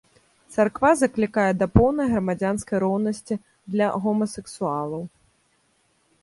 Царква заклікае да поўнай грамадзянскай роўнасці для гомасексуалаў.